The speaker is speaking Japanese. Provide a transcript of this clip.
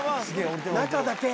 中だけ。